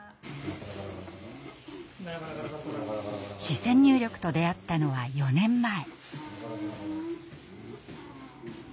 視線入力と出会ったのは４年前。